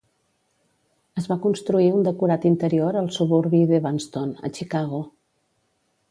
Es va construir un decorat interior al suburbi d'Evanston, a Chicago.